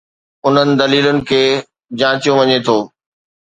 انهن دليلن کي جانچيو وڃي ٿو.